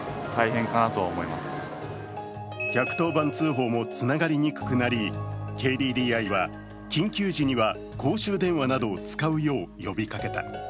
１１０番通報もつながりにくくなりＫＤＤＩは緊急時には公衆電話などを使うよう呼びかけた。